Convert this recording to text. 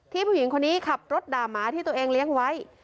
ผู้หญิงคนนี้ขับรถด่าหมาที่ตัวเองเลี้ยงไว้